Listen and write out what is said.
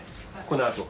このあと。